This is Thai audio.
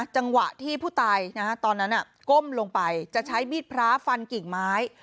จังหวะที่ผู้ตายตอนนั้นก้มลงไปจะใช้มีดพระฟันกิ่งไม้